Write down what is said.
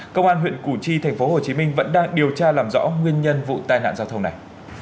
công an huyện củ chi tp hcm vẫn đang điều tra làm rõ nguyên nhân vụ tai nạn giao thông này